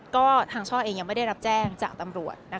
ก็ทางช่อเองยังไม่ได้รับแจ้งจากตำรวจ